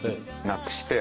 なくして！？